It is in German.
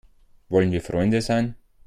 Wollen wir Freunde sein?